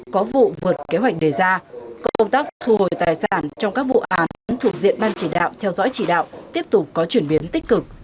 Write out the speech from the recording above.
có vụ vượt kế hoạch đề ra công tác thu hồi tài sản trong các vụ án thuộc diện ban chỉ đạo theo dõi chỉ đạo tiếp tục có chuyển biến tích cực